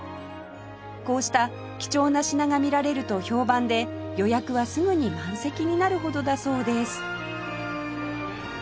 こうした貴重な品が見られると評判で予約はすぐに満席になるほどだそうです